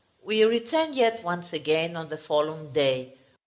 We return, yet once again, on the following day.